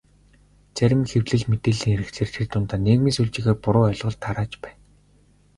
Зарим хэвлэл, мэдээллийн хэрэгслээр тэр дундаа нийгмийн сүлжээгээр буруу ойлголт тарааж байна.